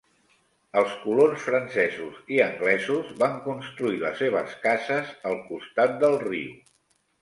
Els colons francesos i anglesos van construir les seves cases al costat del riu.